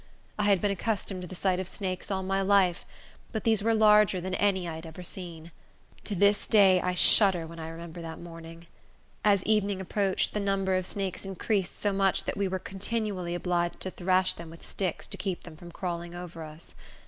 I had been accustomed to the sight of snakes all my life, but these were larger than any I had ever seen. To this day I shudder when I remember that morning. As evening approached, the number of snakes increased so much that we were continually obliged to thrash them with sticks to keep them from crawling over us.